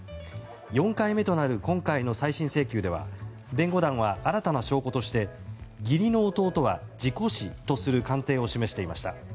４回目となる今回の再審請求では弁護団は新たな証拠として義理の弟は事故死とする鑑定を示していました。